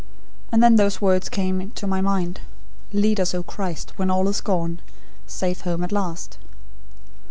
And then those words came to my mind: 'Lead us, O Christ, when all is gone, safe home at last.'